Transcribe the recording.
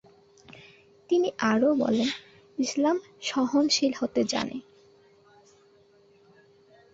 তিনি আরও বলেন, ইসলাম সহনশীল হতে জানে।